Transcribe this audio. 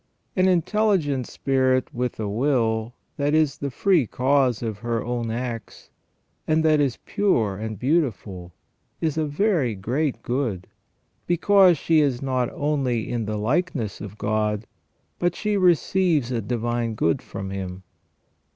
An intelligent spirit with a will that is the free cause of her own acts, and that is pure and beautiful, is a very great good, because she is not only in the likeness of God, but she receives a divine good from Him.